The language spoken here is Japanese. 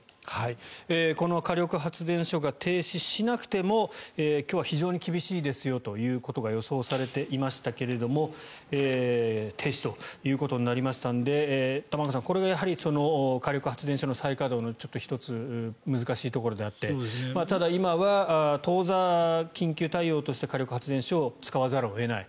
この火力発電所が停止しなくても今日は非常に厳しいですよということが予想されていましたけども停止ということになりましたので玉川さんこれが火力発電所の再稼働のちょっと１つ難しいところであってただ、今は当座緊急対応として火力発電所を使わざるを得ない。